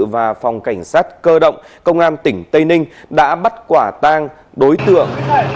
và phòng cảnh sát cơ động công an tỉnh tây ninh đã bắt quả tang đối tượng